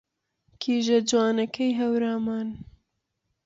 کیژە جوانەکەی هەورامان